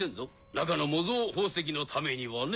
中の模造宝石のためにはね。